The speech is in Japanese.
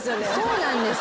そうなんです。